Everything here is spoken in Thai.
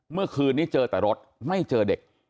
เมื่อคืนนี้เจอแต่รถไม่เจอเด็ก